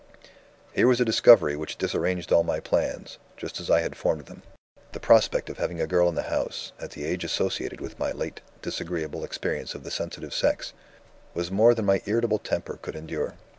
"Here was a discovery which disarranged all my plans, just as I had formed them! The prospect of having a girl in the house, at the age associated with my late disagreeable experience of the sensitive sex, was more than my irritable temper could endure.